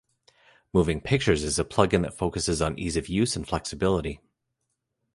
Moving Pictures is a plug-in that focuses on ease of use and flexibility.